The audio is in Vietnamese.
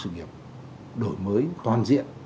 nghiệp đổi mới toàn diện